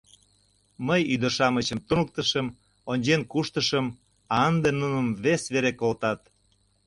— Мый ӱдыр-шамычым туныктышым, ончен куштышым, а ынде нуным вес вере колтат...